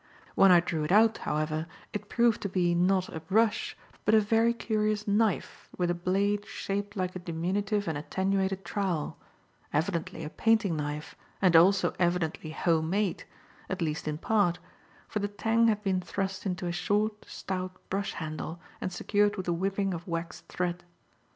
When I drew it out, however, it proved to be not a brush, but a very curious knife with a blade shaped like a diminutive and attenuated trowel; evidently a painting knife and also evidently home made, at least in part, for the tang had been thrust into a short, stout brush handle and secured with a whipping of waxed thread.